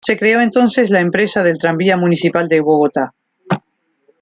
Se creó entonces la Empresa del Tranvía Municipal de Bogotá.